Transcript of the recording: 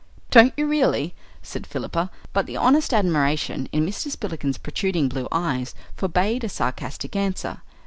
"Don't you really?" said Philippa, but the honest admiration in Mr. Spillikin's protruding blue eyes forbade a sarcastic answer.